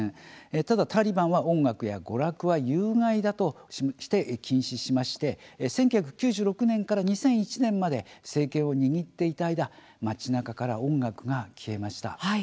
ただ、タリバンは音楽や娯楽は有害だとして禁止しまして１９９６年から２００１年まで政権を握っていた間街なかから音楽が消えました。